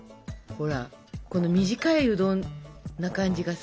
ほらこの短いうどんな感じ